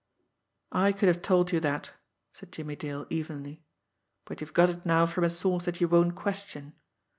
"I could have told you that," said Jimmie Dale evenly; "but you've got it now from a source that you won't question.